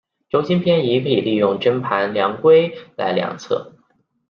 轴心偏移可以利用针盘量规来量测。